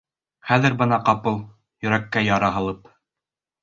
Хәҙер бына ҡапыл... йөрәккә яра һалып.